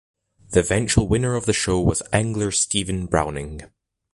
The eventual winner of the show was angler Stephen Browning.